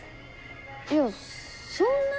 いやそんなに。